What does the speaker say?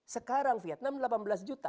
sekarang vietnam delapan belas juta